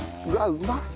うまそう！